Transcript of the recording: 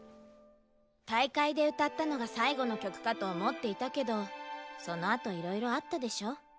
大会で歌ったのが最後の曲かと思っていたけどそのあといろいろあったでしょ？